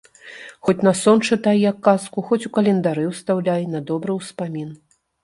Хоць на сон чытай, як казку, хоць у календары ўстаўляй, на добры ўспамін!